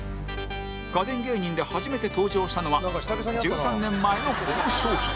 家電芸人で初めて登場したのは１３年前のこの商品